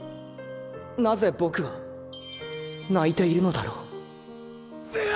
なぜボクは泣いているのだろうブオ！